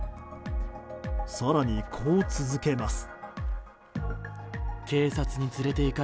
更に、こう続けます。